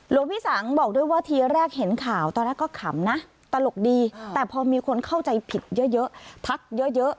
หลวงพี่สังบอกด้วยว่าทีแรกเห็นข่าวตอนแรกก็ขำนะตลกดีแต่พอมีคนเข้าใจผิดเยอะทักเยอะ